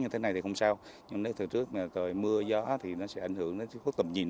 như thế này thì không sao nhưng nếu thời trước trời mưa gió thì nó sẽ ảnh hưởng đến khuất tầm nhìn